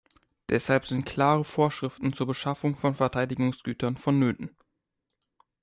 Deshalb sind klare Vorschriften zur Beschaffung von Verteidigungsgütern vonnöten.